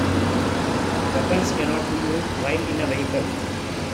Weapons can not be used while in a vehicle.